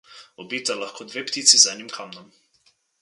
Ubijte lahko dve ptici z enim kamnom.